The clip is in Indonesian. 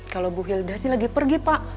kalau bu hilda sih lagi pergi pak